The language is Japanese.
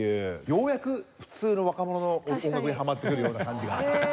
ようやく普通の若者の音楽にハマってくるような感じが。